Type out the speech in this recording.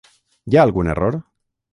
Hi ha algun error?